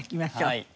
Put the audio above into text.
はい。